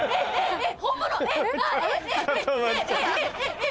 えっ？